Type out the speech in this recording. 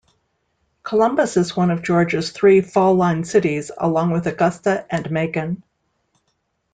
Columbus is one of Georgia's three Fall Line Cities, along with Augusta and Macon.